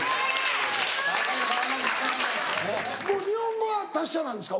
もう日本語は達者なんですか？